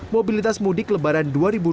mobilitas mudik lebaran